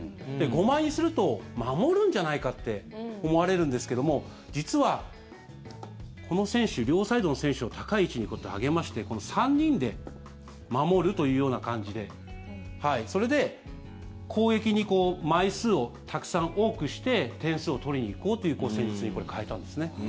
５枚にすると守るんじゃないかって思われるんですけども実はこの選手、両サイドの選手を高い位置に上げまして３人で守るというような感じでそれで攻撃に枚数をたくさん多くして点数を取りに行こうという戦術に変えたんですね。